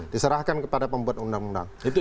diserahkan kepada pembuat undang undang